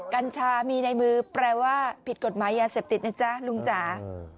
กัญชามีในมือแปลว่าผิดกฎหมายยาเสพติดนะจ๊ะลุงจ๋า